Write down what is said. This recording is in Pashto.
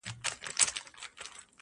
ستا په ليدو مي ژوند د مرگ سره ډغري وهي;